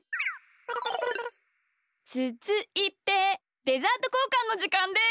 つづいてデザートこうかんのじかんです！